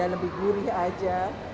ya lebih gurih aja